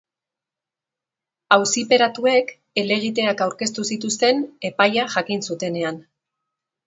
Auziperatuek helegiteak aurkeztu zituzten epaia jakin zutenean.